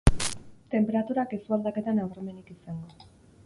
Tenperaturak ez du aldaketa nabarmenik izango.